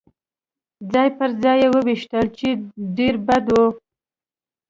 ځای پر ځای يې وویشتل، چې ډېر بد و.